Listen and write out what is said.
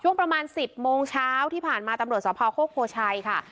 ช่วงประมาณสิบโมงเช้าที่ผ่านมาตำลวดสมภาวโฆษ์โพชัยค่ะ